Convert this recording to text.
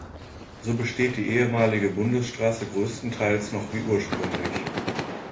So besteht die ehemalige Bundesstraße großteils noch wie ursprünglich.